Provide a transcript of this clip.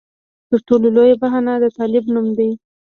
تر ټولو لویه بهانه د طالب نوم دی.